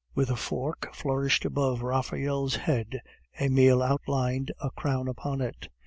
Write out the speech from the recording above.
With a fork flourished above Raphael's head, Emile outlined a crown upon it.